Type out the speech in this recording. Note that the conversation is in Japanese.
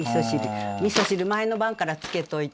みそ汁前の晩からつけといて。